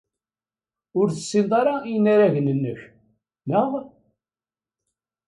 Ur tessineḍ ara inaragen-nnek, naɣ?